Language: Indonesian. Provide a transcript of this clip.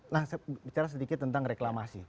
nah bicara sedikit tentang reklamasi